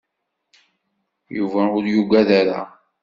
Yuba ur yuggad ara.